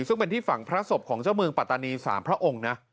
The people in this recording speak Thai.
ซึ่งเป็นที่ฝั่งพระศพของเจ้าเมืองปัตตานี๓พระองค์นะ